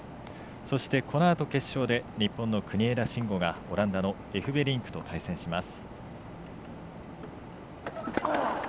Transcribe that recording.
そして、このあと決勝で日本に国枝慎吾がオランダのエフベリンクと対戦します。